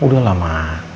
udah lah ma